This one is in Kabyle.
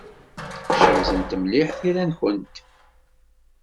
Cemtent mliḥ tira-nwent.